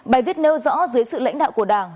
bài viết nêu rõ dưới sự lãnh đạo của đảng